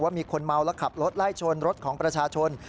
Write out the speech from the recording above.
มีคนเมาและขับรถไล่ชนรถของประชาชน